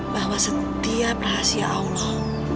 bahwa setiap rahasia allah